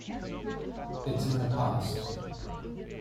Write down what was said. It's in the past.